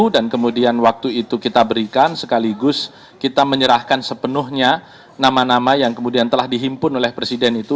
dan kemudian waktu itu kita berikan sekaligus kita menyerahkan sepenuhnya nama nama yang kemudian telah dihimpun oleh presiden itu